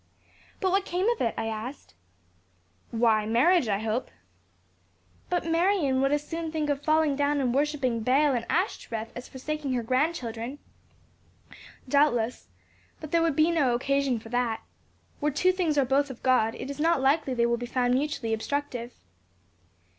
"But what can come of it?" I said. "Why, marriage, I hope." "But Marion would as soon think of falling down and worshipping Baal and Ashtoreth as of forsaking her grandchildren." "Doubtless. But there would be no occasion for that. Where two things are both of God, it is not likely they will be found mutually obstructive."